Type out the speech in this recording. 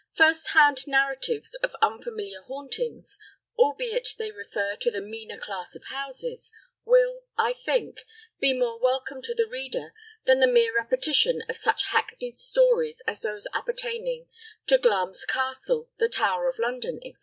First hand narratives of unfamiliar hauntings, albeit they refer to the meaner class of houses, will, I think, be more welcome to the reader than the mere repetition of such hackneyed stories as those appertaining to Glamis Castle, the Tower of London, &c.